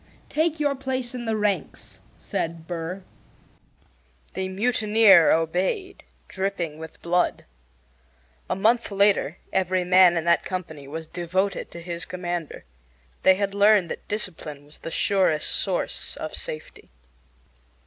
"Take your place in the ranks," said Burr. The mutineer obeyed, dripping with blood. A month later every man in that company was devoted to his commander. They had learned that discipline was the surest source of safety.